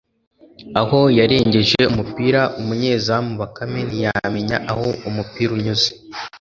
aho yarengeje umupira umunyezamu Bakame ntiyamenya aho umupira unyuze